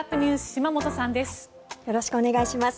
島本さんです。